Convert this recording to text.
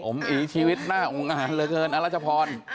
ผมอีกชีวิตหน้าองค์งานเหลือเกินเอาล่ะเจ้าพร